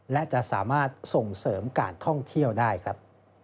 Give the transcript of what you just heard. และจะสามารถส่งเสริมการท่องเที่ยวได้ครับ